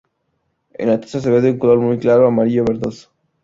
En la taza se ve de color muy claro amarillo-verdoso.